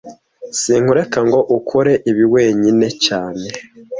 Sinkureka ngo ukore ibi wenyine cyane